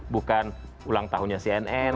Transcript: bukan ulang tahunnya cnn